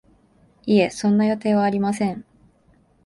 いえ、そんな予定はありません